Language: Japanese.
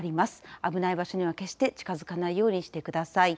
危ない場所には決して近づかないようにしてください。